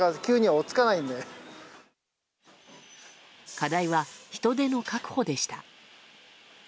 課題は人手の確保でした。